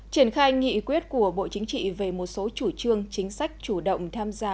triển khai nghị quyết của bộ chính trị về một số chủ trương chính sách chủ động tham gia